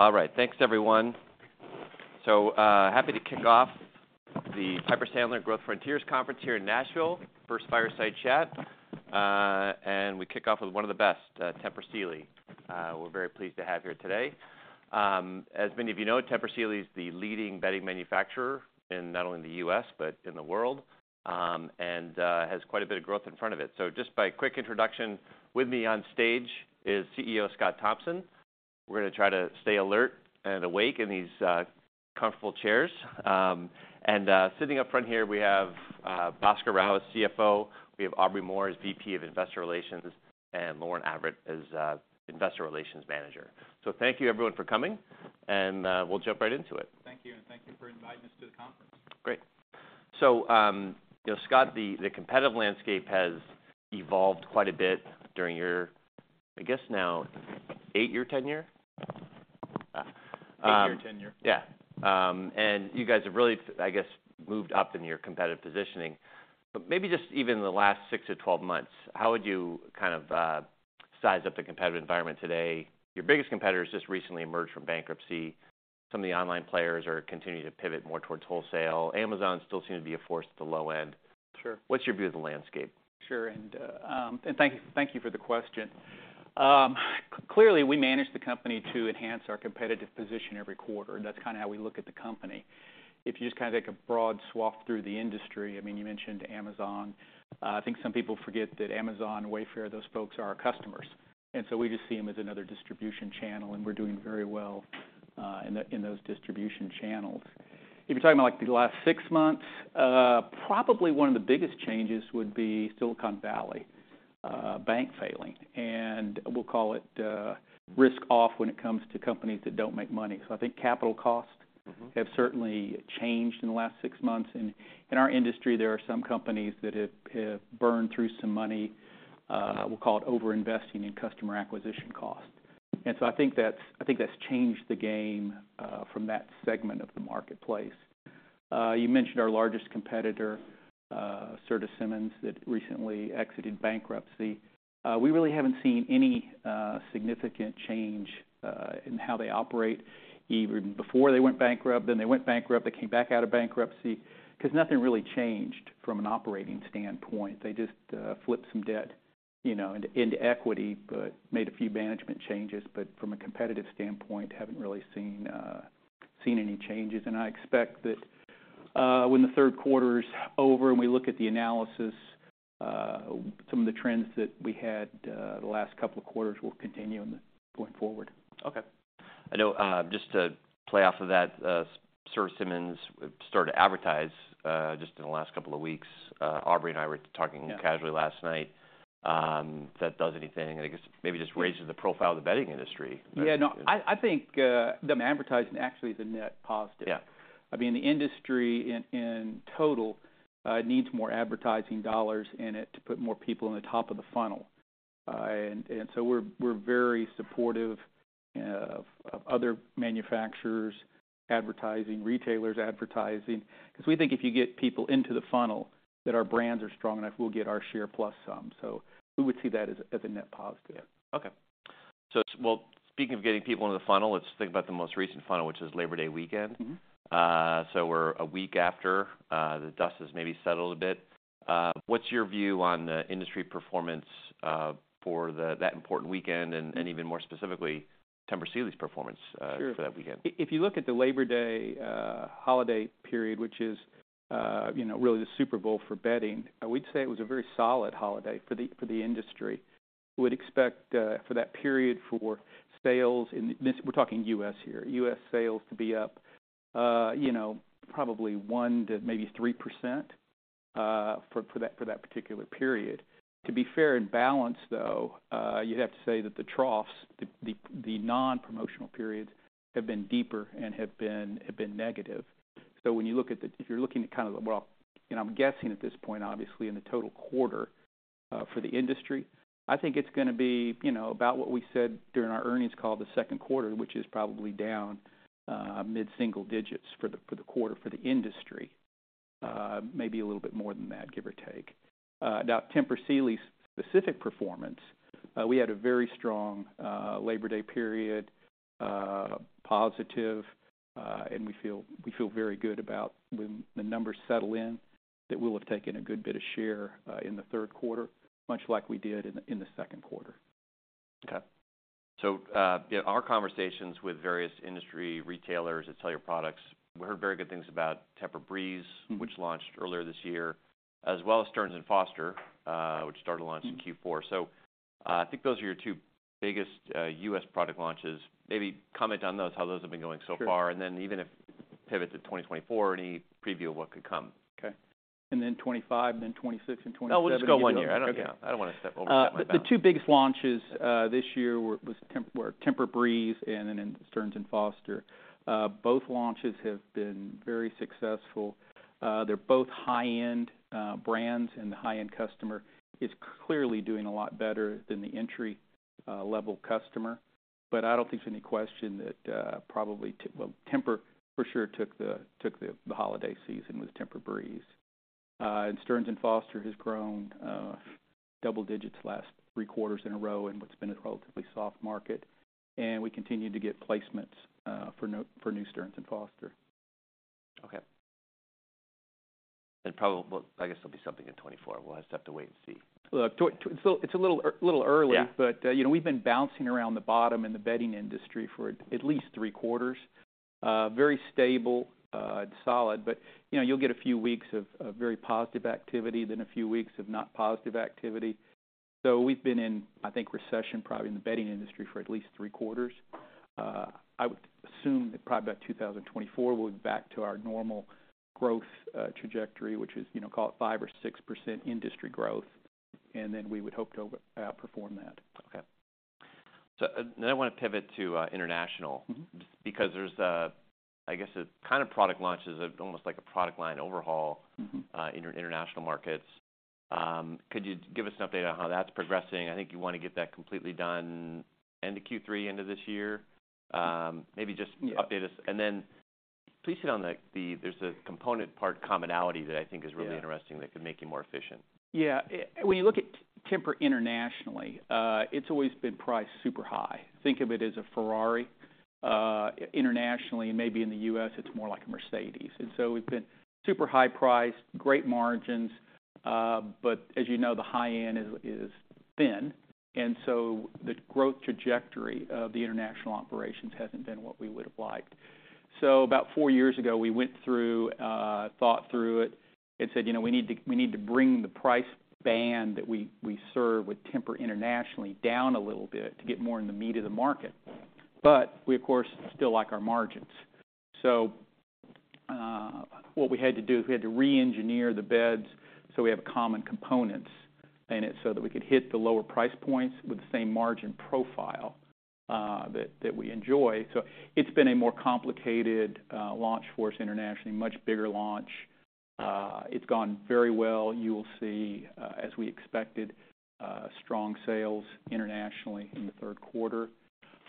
All right, thanks, everyone. So, happy to kick off the Piper Sandler Growth Frontiers Conference here in Nashville. First fireside chat, and we kick off with one of the best, Tempur Sealy. We're very pleased to have here today. As many of you know, Tempur Sealy is the leading bedding manufacturer in not only in the U.S., but in the world, and has quite a bit of growth in front of it. So just by quick introduction, with me on stage is CEO, Scott Thompson. We're gonna try to stay alert and awake in these comfortable chairs. And sitting up front here, we have Bhaskar Rao, CFO, we have Aubrey Moore as VP of Investor Relations, and Lauren Avritt as Investor Relations Manager. So thank you, everyone, for coming, and we'll jump right into it. Thank you, and thank you for inviting us to the conference. Great. So, you know, Scott, the competitive landscape has evolved quite a bit during your, I guess, now eight-year tenure? Eight-year tenure. Yeah. And you guys have really, I guess, moved up in your competitive positioning. But maybe just even in the last 6-12 months, how would you kind of size up the competitive environment today? Your biggest competitors just recently emerged from bankruptcy. Some of the online players are continuing to pivot more towards wholesale. Amazon still seem to be a force at the low end. Sure. What's your view of the landscape? Sure. And thank you for the question. Clearly, we manage the company to enhance our competitive position every quarter. That's kind of how we look at the company. If you just kind of take a broad swath through the industry, I mean, you mentioned Amazon. I think some people forget that Amazon, Wayfair, those folks are our customers, and so we just see them as another distribution channel, and we're doing very well in those distribution channels. If you're talking about, like, the last six months, probably one of the biggest changes would be Silicon Valley Bank failing, and we'll call it risk-off when it comes to companies that don't make money. So I think capital costs- have certainly changed in the last six months. In our industry, there are some companies that have burned through some money, we'll call it overinvesting in customer acquisition costs. So I think that's changed the game from that segment of the marketplace. You mentioned our largest competitor, Serta Simmons, that recently exited bankruptcy. We really haven't seen any significant change in how they operate even before they went bankrupt. Then they went bankrupt, they came back out of bankruptcy, 'cause nothing really changed from an operating standpoint. They just flipped some debt, you know, into equity, but made a few management changes. But from a competitive standpoint, haven't really seen any changes. I expect that, when the third quarter is over and we look at the analysis, some of the trends that we had, the last couple of quarters will continue on, going forward. Okay. I know, just to play off of that, Serta Simmons started to advertise, just in the last couple of weeks. Aubrey and I were talking- Yeah casually last night. If that does anything, I guess maybe just raises the profile of the bedding industry. Yeah, no, I think them advertising actually is a net positive. Yeah. I mean, the industry in total needs more advertising dollars in it to put more people in the top of the funnel. And so we're very supportive of other manufacturers advertising, retailers advertising, 'cause we think if you get people into the funnel, that our brands are strong enough, we'll get our share plus some. So we would see that as a net positive. Yeah. Okay. So, well, speaking of getting people into the funnel, let's think about the most recent funnel, which is Labor Day weekend. So we're a week after the dust has maybe settled a bit. What's your view on the industry performance for that important weekend and- and even more specifically, Tempur Sealy's performance, Sure... for that weekend? If you look at the Labor Day holiday period, which is, you know, really the Super Bowl for bedding, I would say it was a very solid holiday for the industry. We'd expect for that period for sales in this—we're talking U.S. here, U.S. sales to be up, you know, probably 1 to maybe 3%, for that particular period. To be fair and balanced, though, you'd have to say that the troughs, the non-promotional periods, have been deeper and have been negative. So when you look at the—if you're looking at kind of the... Well, and I'm guessing at this point, obviously, in the total quarter, for the industry, I think it's gonna be, you know, about what we said during our earnings call, the second quarter, which is probably down, mid-single digits for the quarter for the industry, maybe a little bit more than that, give or take. Now, Tempur Sealy's specific performance, we had a very strong Labor Day period, positive, and we feel very good about when the numbers settle in, that we'll have taken a good bit of share in the third quarter, much like we did in the second quarter. Okay. So, yeah, our conversations with various industry retailers that sell your products, we heard very good things about TEMPUR-Breeze- which launched earlier this year, as well as Stearns & Foster, which started to launch- in Q4. So, I think those are your two biggest, U.S. product launches. Maybe comment on those, how those have been going so far. Sure. Then even if you pivot to 2024, any preview of what could come? Okay. And then 25, and then 26 and 27. No, we'll just go one year. I don't know. I don't want to step over the bounds. The two biggest launches this year were TEMPUR-Breeze and then Stearns & Foster. Both launches have been very successful. They're both high-end brands, and the high-end customer is clearly doing a lot better than the entry level customer. But I don't think there's any question that probably Tempur for sure took the holiday season with TEMPUR-Breeze, and Stearns & Foster has grown double digits last three quarters in a row in what's been a relatively soft market, and we continue to get placements for new Stearns & Foster. Okay. Well, I guess there'll be something in 2024. We'll just have to wait and see. Look, it's a little early- Yeah... but, you know, we've been bouncing around the bottom in the bedding industry for at least three quarters. Very stable, and solid, but, you know, you'll get a few weeks of very positive activity, then a few weeks of not positive activity. So we've been in, I think, recession, probably in the bedding industry for at least three quarters. I would assume that probably by 2024, we'll be back to our normal growth, trajectory, which is, you know, call it 5%-6% industry growth, and then we would hope to over, perform that. Okay. So, now I wanna pivot to, international-... because there's a, I guess, a kind of product launch, almost like a product line overhaul- In your international markets. Could you give us an update on how that's progressing? I think you wanna get that completely done end of Q3 into this year. Maybe just- Yeah... update us, and then please hit on the there's a component part commonality that I think is- Yeah really interesting, that could make you more efficient. Yeah. When you look at Tempur internationally, it's always been priced super high. Think of it as a Ferrari internationally, and maybe in the U.S., it's more like a Mercedes. And so we've been super high-priced, great margins, but as you know, the high end is, is thin, and so the growth trajectory of the international operations hasn't been what we would have liked. So about four years ago, we went through, thought through it and said: You know, we need to, we need to bring the price band that we, we serve with Tempur internationally, down a little bit to get more in the meat of the market. But we, of course, still like our margins. So, what we had to do is we had to reengineer the beds, so we have common components in it so that we could hit the lower price points with the same margin profile, that we enjoy. So it's been a more complicated launch for us internationally, much bigger launch. It's gone very well. You will see, as we expected, strong sales internationally in the third quarter.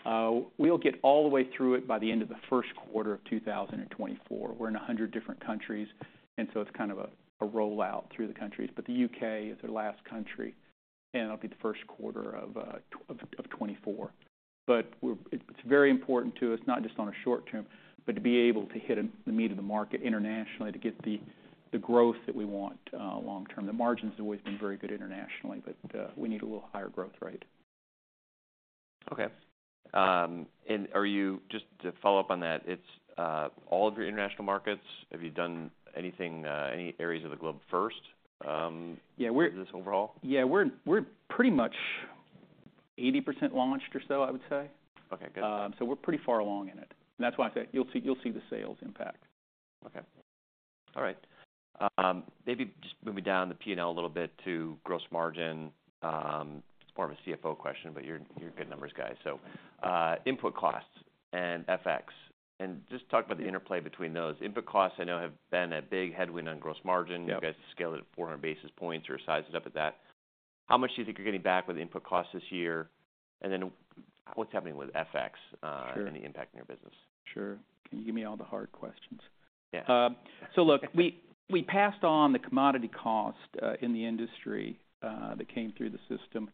We'll get all the way through it by the end of the first quarter of 2024. We're in 100 different countries, and so it's kind of a rollout through the countries. But the UK is the last country, and it'll be the first quarter of 2024. But it's very important to us, not just on a short term, but to be able to hit the meat of the market internationally, to get the growth that we want, long term. The margin's always been very good internationally, but we need a little higher growth rate. Okay. And are you. Just to follow up on that, it's all of your international markets, have you done anything any areas of the globe first? Yeah, we're- -this overall? Yeah, we're pretty much 80% launched or so, I would say. Okay, good. So, we're pretty far along in it, and that's why I say you'll see, you'll see the sales impact. Okay. All right. Maybe just moving down the P&L a little bit to gross margin, more of a CFO question, but you're, you're a good numbers guy. So, input costs and FX, and just talk about the interplay between those. Input costs, I know, have been a big headwind on gross margin. Yep. You guys scale it at 400 basis points or size it up at that. How much do you think you're getting back with input costs this year? And then what's happening with FX? Sure... and the impact in your business? Sure. Can you give me all the hard questions? Yeah. So look, we, we passed on the commodity cost in the industry that came through the system.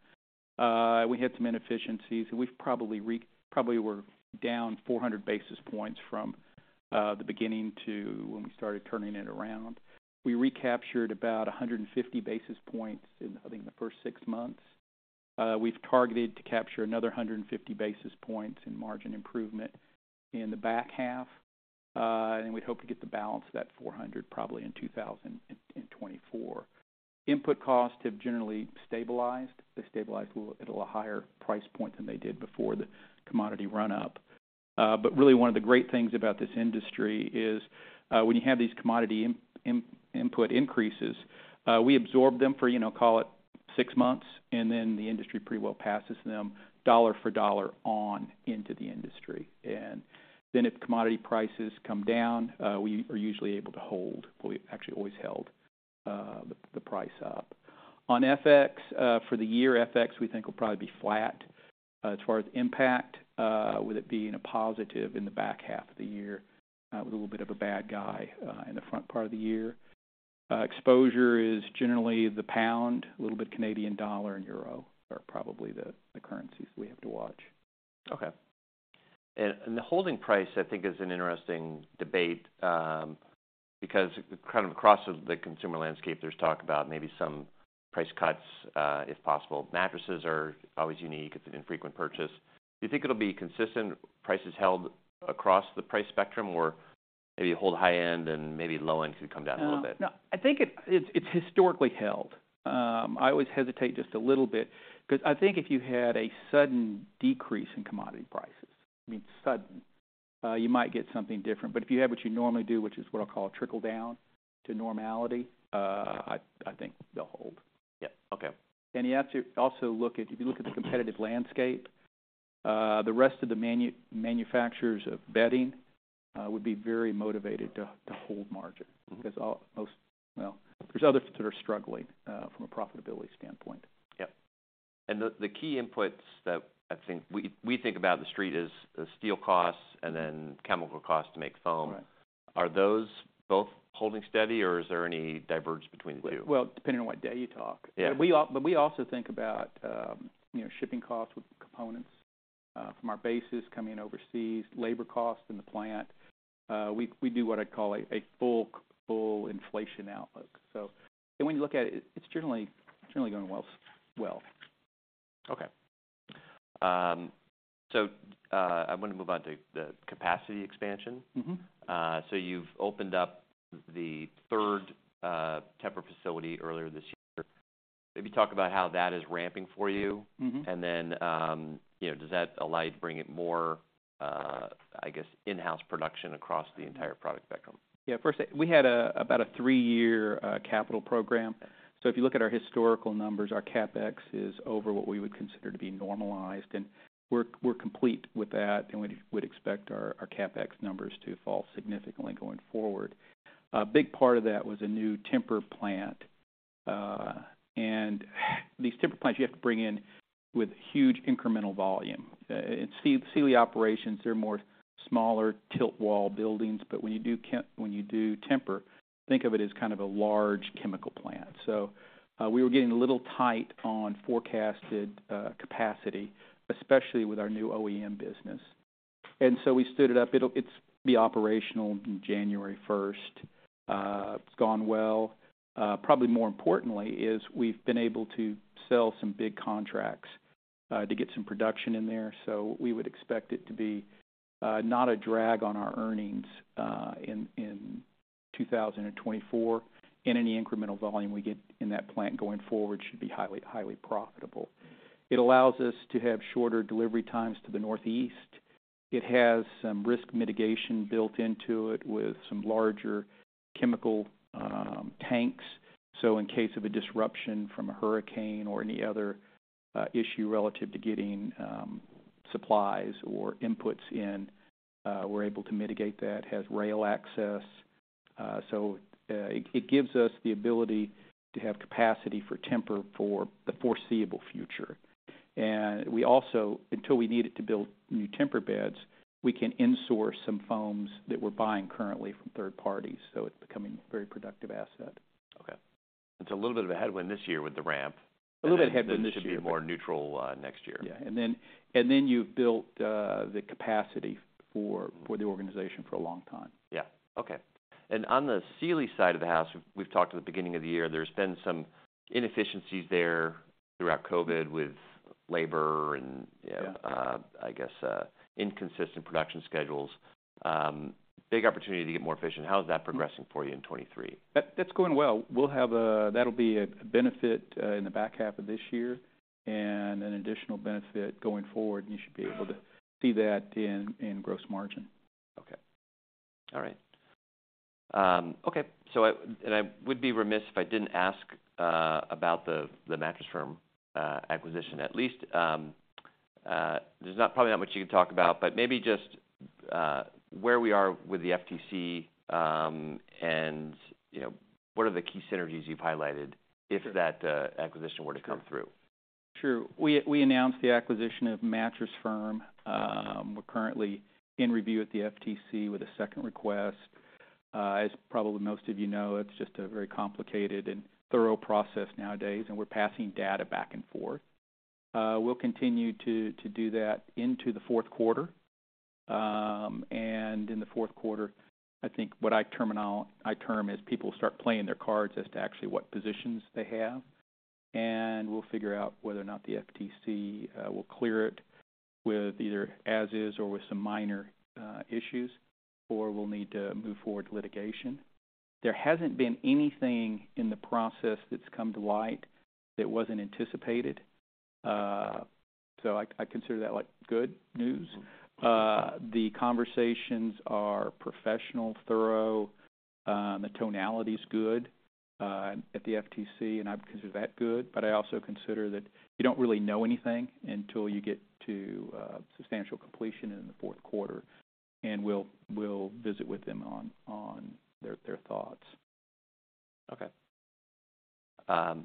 We had some inefficiencies, and we probably were down 400 basis points from the beginning to when we started turning it around. We recaptured about 150 basis points in, I think, the first six months. We've targeted to capture another 150 basis points in margin improvement in the back half. And we'd hope to get the balance of that 400, probably in 2024. Input costs have generally stabilized. They've stabilized a little, at a little higher price point than they did before the commodity run-up. But really, one of the great things about this industry is, when you have these commodity input increases, we absorb them for, you know, call it six months, and then the industry pretty well passes them dollar for dollar on into the industry. And then, if commodity prices come down, we are usually able to hold. We've actually always held the price up. On FX, for the year, FX, we think, will probably be flat. As far as impact, with it being a positive in the back half of the year, with a little bit of a bad guy in the front part of the year. Exposure is generally the pound, a little bit Canadian dollar and euro are probably the currencies we have to watch. Okay. And the holding price, I think, is an interesting debate, because kind of across the consumer landscape, there's talk about maybe some price cuts, if possible. Mattresses are always unique. It's an infrequent purchase. Do you think it'll be consistent, prices held across the price spectrum, or maybe you hold high end and maybe low end could come down a little bit? No, I think it's historically held. I always hesitate just a little bit because I think if you had a sudden decrease in commodity prices, I mean, sudden, you might get something different. But if you have what you normally do, which is what I call a trickle-down to normality. Okay... I think they'll hold. Yeah. Okay. You have to also look at... If you look at the competitive landscape, the rest of the manufacturers of bedding would be very motivated to hold margin- Mm-hmm... because all, most... Well, there's others that are struggling from a profitability standpoint. Yep. And the key inputs that I think we think about in The Street is the steel costs and then chemical costs to make foam. Right. Are those both holding steady, or is there any divergence between the two? Well, depending on what day you talk. Yeah. But we also think about, you know, shipping costs with components from our bases coming overseas, labor costs in the plant. We do what I'd call a full inflation outlook. And when you look at it, it's generally going well. Okay. So, I'm gonna move on to the capacity expansion. Mm-hmm. So you've opened up the third Tempur facility earlier this year. Maybe talk about how that is ramping for you. you know, does that allow you to bring in more, I guess, in-house production across the entire product spectrum? Yeah. First, we had about a three-year capital program. So if you look at our historical numbers, our CapEx is over what we would consider to be normalized, and we're complete with that, and we'd expect our CapEx numbers to fall significantly going forward. A big part of that was a new Tempur plant. And these Tempur plants, you have to bring in with huge incremental volume. And Sealy operations, they're more smaller tilt-wall buildings, but when you do Tempur, think of it as kind of a large chemical plant. So we were getting a little tight on forecasted capacity, especially with our new OEM business. And so we stood it up. It'll be operational January first. It's gone well. Probably more importantly, we've been able to sell some big contracts to get some production in there, so we would expect it to be not a drag on our earnings in 2024, and any incremental volume we get in that plant going forward should be highly, highly profitable. It allows us to have shorter delivery times to the Northeast. It has some risk mitigation built into it with some larger chemical tanks, so in case of a disruption from a hurricane or any other issue relative to getting supplies or inputs in, we're able to mitigate that. It has rail access. So, it gives us the ability to have capacity for Tempur for the foreseeable future. We also, until we need it to build new Tempur beds, we can insource some foams that we're buying currently from third parties, so it's becoming a very productive asset. Okay. It's a little bit of a headwind this year with the ramp. A little bit of headwind this year. It should be more neutral next year. Yeah. And then, and then you've built the capacity for- for the organization for a long time. Yeah. Okay. And on the Sealy side of the house, we've talked at the beginning of the year, there's been some inefficiencies there throughout COVID with labor and- Yeah... I guess, inconsistent production schedules. Big opportunity to get more efficient. How is that progressing for you in 2023? That's going well. That'll be a benefit in the back half of this year and an additional benefit going forward, and you should be able to see that in gross margin. Okay. All right. Okay, so I would be remiss if I didn't ask about the Mattress Firm acquisition. At least, there's probably not much you can talk about, but maybe just where we are with the FTC, and, you know, what are the key synergies you've highlighted- Sure -if that acquisition were to come through? Sure. We announced the acquisition of Mattress Firm. We're currently in review at the FTC with a second request. As probably most of you know, it's just a very complicated and thorough process nowadays, and we're passing data back and forth. We'll continue to do that into the fourth quarter. And in the fourth quarter, I think what I term is people start playing their cards as to actually what positions they have, and we'll figure out whether or not the FTC will clear it with either as is or with some minor issues, or we'll need to move forward to litigation. There hasn't been anything in the process that's come to light that wasn't anticipated, so I consider that, like, good news. The conversations are professional, thorough, the tonality is good at the FTC, and I consider that good, but I also consider that you don't really know anything until you get to substantial completion in the fourth quarter, and we'll visit with them on their thoughts. Okay. And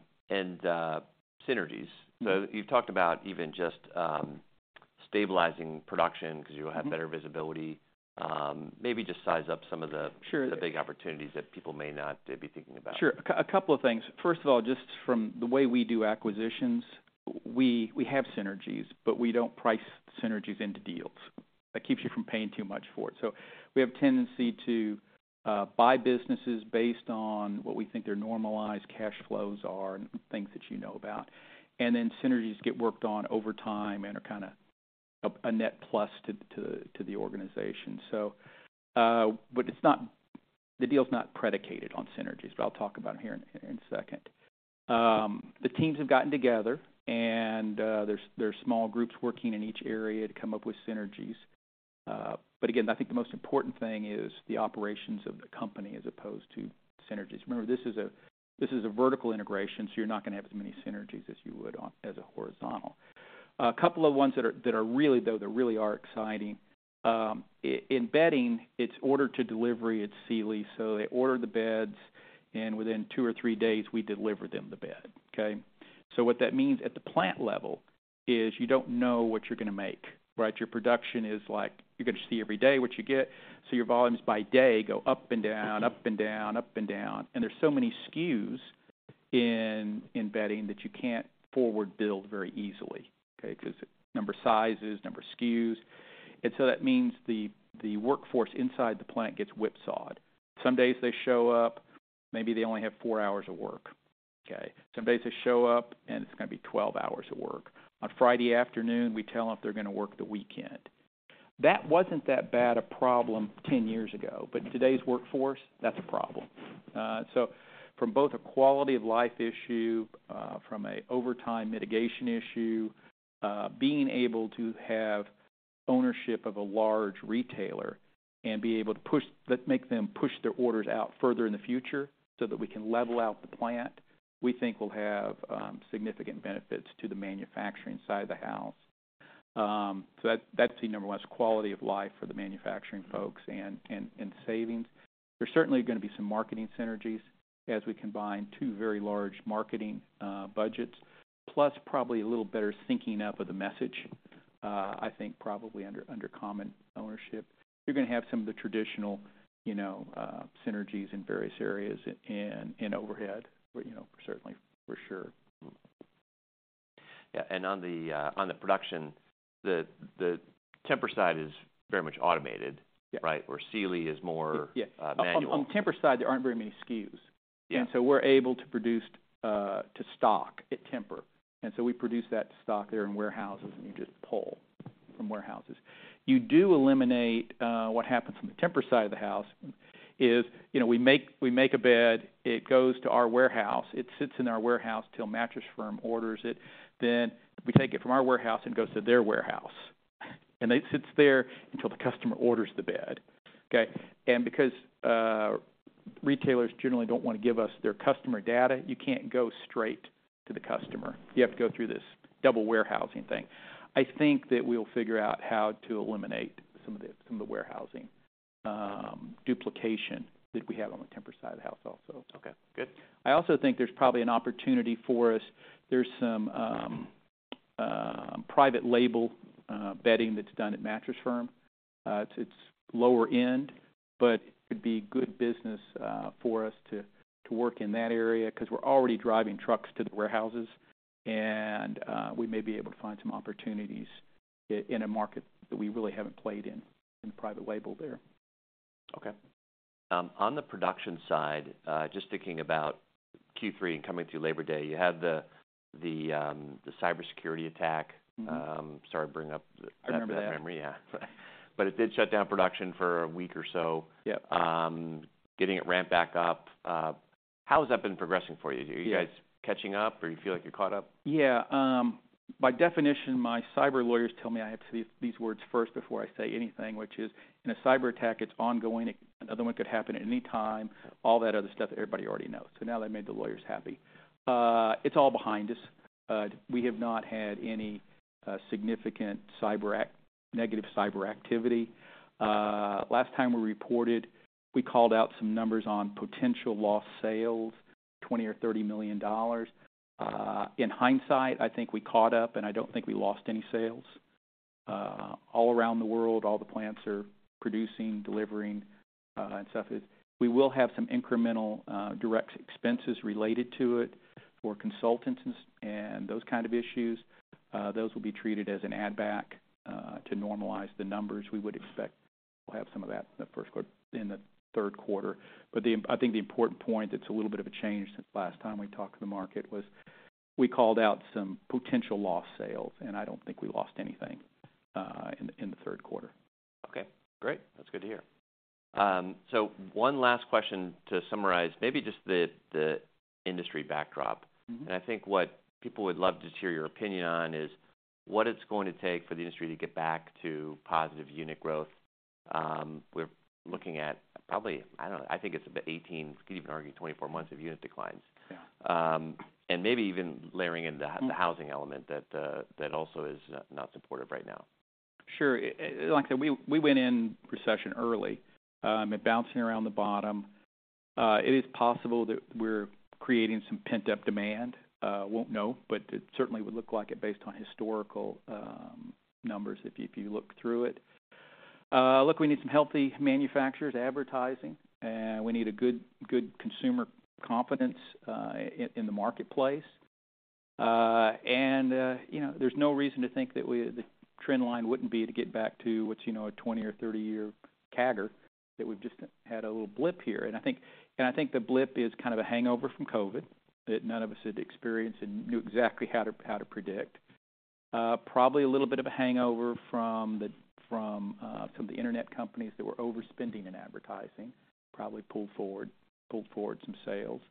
synergies. So you've talked about even just stabilizing production because you'll- -have better visibility. Maybe just size up some of the- Sure the big opportunities that people may not be thinking about. Sure. A couple of things. First of all, just from the way we do acquisitions, we have synergies, but we don't price synergies into deals. That keeps you from paying too much for it. So we have tendency to buy businesses based on what we think their normalized cash flows are and things that you know about, and then synergies get worked on over time and are kind of a net plus to the organization. So, but it's not—the deal's not predicated on synergies, but I'll talk about them here in a second. The teams have gotten together, and there are small groups working in each area to come up with synergies. But again, I think the most important thing is the operations of the company as opposed to synergies. Remember, this is a vertical integration, so you're not gonna have as many synergies as you would on, as a horizontal. A couple of ones that are really, though, that really are exciting. In bedding, it's order-to-delivery at Sealy, so they order the beds, and within two or three days, we deliver them the bed, okay? So what that means at the plant level is you don't know what you're gonna make, right? Your production is like, you're gonna see every day what you get, so your volumes by day go up and down, up and down, up and down, and there's so many SKUs in bedding that you can't forward build very easily, okay? 'Cause number sizes, number SKUs, and so that means the workforce inside the plant gets whipsawed. Some days they show up, maybe they only have 4 hours of work, okay? Some days they show up, and it's gonna be 12 hours of work. On Friday afternoon, we tell them if they're gonna work the weekend. That wasn't that bad a problem 10 years ago, but in today's workforce, that's a problem. So from both a quality of life issue, from a overtime mitigation issue, being able to have ownership of a large retailer and be able to push - let's make them push their orders out further in the future so that we can level out the plant, we think will have significant benefits to the manufacturing side of the house. So that, that's the number one, quality of life for the manufacturing folks and, and, and savings. There's certainly gonna be some marketing synergies as we combine two very large marketing budgets, plus probably a little better syncing up of the message. I think probably under common ownership. You're gonna have some of the traditional, you know, synergies in various areas and overhead, but, you know, certainly for sure. Yeah, and on the production, the Tempur side is very much automated- Yeah. -right? Where Sealy is more- Yeah, yeah. -uh, manual. On Tempur side, there aren't very many SKUs. Yeah. So we're able to produce to stock at Tempur, and so we produce that to stock there in warehouses, and you just pull from warehouses. You do eliminate... What happens on the Tempur side of the house is, you know, we make, we make a bed, it goes to our warehouse, it sits in our warehouse till Mattress Firm orders it. Then we take it from our warehouse, and it goes to their warehouse, and it sits there until the customer orders the bed, okay? And because retailers generally don't want to give us their customer data, you can't go straight to the customer. You have to go through this double warehousing thing. I think that we'll figure out how to eliminate some of the, some of the warehousing duplication that we have on the Tempur side of the house also. Okay, good. I also think there's probably an opportunity for us. There's some private label bedding that's done at Mattress Firm. It's lower end, but it could be good business for us to work in that area 'cause we're already driving trucks to the warehouses, and we may be able to find some opportunities in a market that we really haven't played in, in private label there. Okay. On the production side, just thinking about Q3 and coming through Labor Day, you had the cybersecurity attack. Sorry to bring up- I remember that. -that memory. Yeah, but it did shut down production for a week or so. Yeah. Getting it ramped back up, how has that been progressing for you? Yeah. Are you guys catching up, or you feel like you're caught up? Yeah, by definition, my cyber lawyers tell me I have to say these, these words first before I say anything, which is, in a cyberattack, it's ongoing. Another one could happen at any time, all that other stuff that everybody already knows. So now that made the lawyers happy. It's all behind us. We have not had any significant negative cyber activity. Last time we reported, we called out some numbers on potential lost sales, $20 million or $30 million. In hindsight, I think we caught up, and I don't think we lost any sales. All around the world, all the plants are producing, delivering, and stuff is... We will have some incremental direct expenses related to it for consultants and those kind of issues. Those will be treated as an add back to normalize the numbers. We would expect we'll have some of that in the first quarter, in the third quarter. But, I think the important point that's a little bit of a change since last time we talked to the market was we called out some potential lost sales, and I don't think we lost anything in the third quarter. Okay, great. That's good to hear. So one last question to summarize, maybe just the industry backdrop. I think what people would love to hear your opinion on is what it's going to take for the industry to get back to positive unit growth. We're looking at probably, I don't know, I think it's about 18, could even argue 24 months of unit declines. Yeah. And maybe even layering in the- Mm. the housing element that also is not supportive right now. Sure. Like I said, we went in recession early and bouncing around the bottom. It is possible that we're creating some pent-up demand. Won't know, but it certainly would look like it based on historical numbers if you look through it. Look, we need some healthy manufacturers advertising. We need a good consumer confidence in the marketplace. And you know, there's no reason to think that the trend line wouldn't be to get back to what's a 20- or 30-year CAGR, that we've just had a little blip here. And I think, and I think the blip is kind of a hangover from COVID that none of us had experienced and knew exactly how to predict. Probably a little bit of a hangover from the some of the internet companies that were overspending in advertising, probably pulled forward, pulled forward some sales.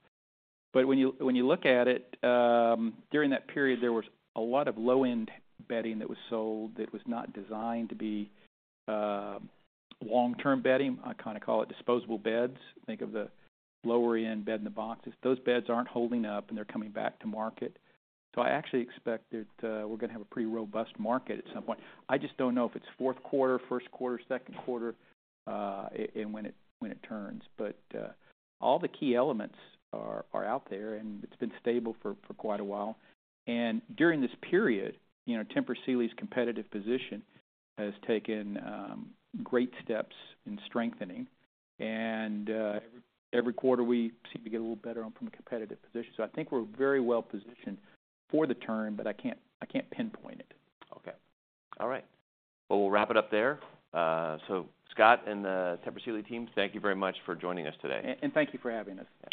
But when you, when you look at it, during that period, there was a lot of low-end bedding that was sold that was not designed to be long-term bedding. I kind of call it disposable beds. Think of the lower-end bed-in-a-box. Those beds aren't holding up, and they're coming back to market. So I actually expect that we're gonna have a pretty robust market at some point. I just don't know if it's fourth quarter, first quarter, second quarter, and when it, when it turns. But all the key elements are, are out there, and it's been stable for, for quite a while. During this period, you know, Tempur Sealy's competitive position has taken great steps in strengthening, and every quarter we seem to get a little better on from a competitive position. So I think we're very well positioned for the turn, but I can't, I can't pinpoint it. Okay. All right. Well, we'll wrap it up there. So Scott and the Tempur Sealy team, thank you very much for joining us today. Thank you for having us.